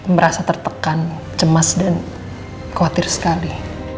merasa tertekan cemas dan khawatir sekali